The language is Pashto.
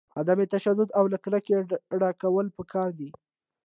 عدم تشدد او له کرکې ډډه کول پکار دي.